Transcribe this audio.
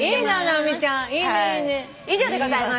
以上でございます。